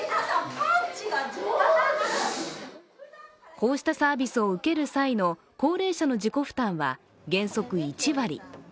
こうしたサービスを受ける際の高齢者の自己負担は原則１割。